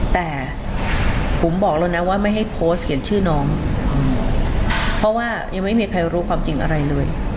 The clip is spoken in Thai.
แต่ผมบอกแล้วนะว่าไม่ให้โพสต์เขียนชื่อน้องเพราะว่ายังไม่มีใครรู้ความจริงอะไรเลย